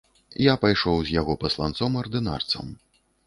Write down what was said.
Я пайшоў з яго пасланцом ардынарцам.